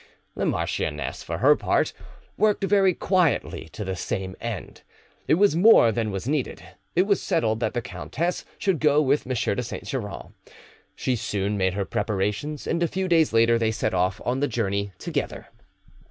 The marchioness, for her part, worked very quietly to the same end; it was more than was needed. It was settled that the countess should go with M. de Saint Geran. She soon made her preparations, and a few days later they set off on the journey together.